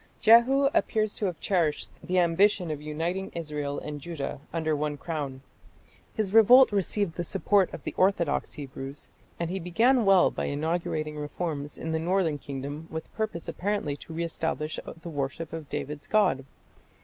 Jehu appears to have cherished the ambition of uniting Israel and Judah under one crown. His revolt received the support of the orthodox Hebrews, and he began well by inaugurating reforms in the northern kingdom with purpose apparently to re establish the worship of David's God.